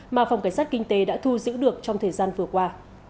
mà phòng cảnh sát kinh tế đã thu giữ được trong thời gian vừa qua